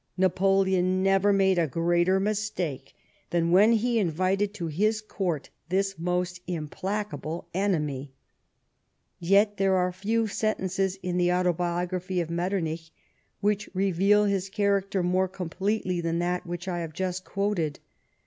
Napoleon never made a greater mistake than when he invited to his Court this most implacable enemy. Yet there are few sentences in the Autobiography of Metternich which reveal his character more completely than that which I have just quoted.